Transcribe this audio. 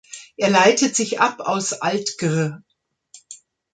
Er leitet sich ab aus altgr.